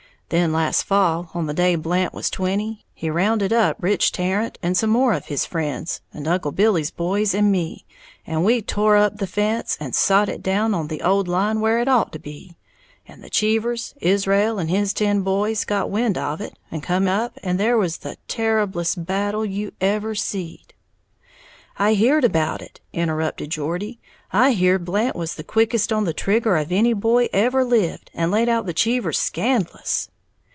Then last fall, on the day Blant was twenty, he rounded up Rich Tarrant and some more of his friends, and Uncle Billy's boys and me, and we tore up the fence, and sot it down on the old line where it ought to be; and the Cheevers, Israel and his ten boys, got wind of it, and come up, and there was the terriblest battle you ever seed." "I heared about it," interrupted Geordie, "I heared Blant was the quickest on the trigger of any boy ever lived, and laid out the Cheevers scandlous."